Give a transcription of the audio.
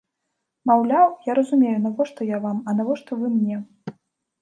Маўляў, я разумею, навошта я вам, а навошта вы мне?